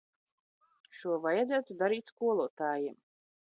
Šo vajadzētu darīt skolotājiem.